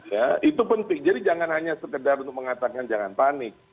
ya itu penting jadi jangan hanya sekedar untuk mengatakan jangan panik